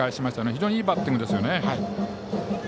非常にいいバッティングです。